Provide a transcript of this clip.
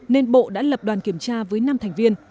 nên bộ đã lập đoàn kiểm tra với năm thành viên